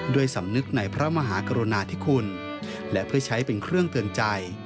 สำนึกในพระมหากรุณาธิคุณและเพื่อใช้เป็นเครื่องเตือนใจ